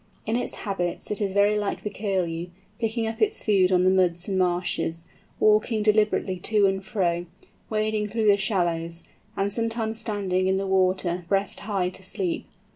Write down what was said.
In its habits it is very like the Curlew, picking up its food on the muds and marshes, walking deliberately to and fro, wading through the shallows, and sometimes standing in the water breast high to sleep.